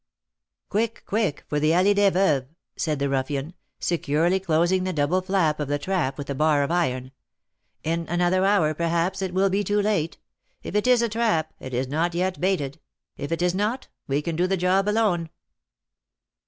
"Quick, quick, for the Allée des Veuves!" said the ruffian, securely closing the double flap of the trap with a bar of iron. "In another hour, perhaps, it will be too late. If it is a trap, it is not yet baited; if it is not, why, we can do the job alone."